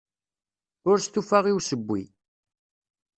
Ur stufaɣ i usewwi.